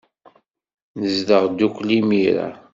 Nezdeɣ ddukkli imir-a.